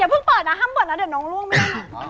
เพิ่งเปิดนะห้ามเปิดนะเดี๋ยวน้องล่วงไหมล่ะ